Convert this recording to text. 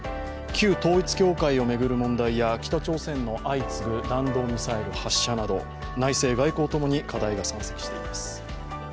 旧統一教会を巡る問題や北朝鮮の相次ぐ弾道ミサイル発射など、内政、外交共に課題が山積しています。